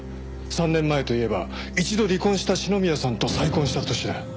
３年前といえば一度離婚した篠宮さんと再婚した年だ。